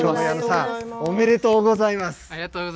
ありがとうございます。